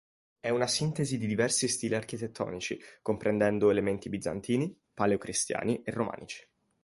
È una sintesi di diversi stili architettonici comprendendo elementi bizantini, paleocristiani e romanici.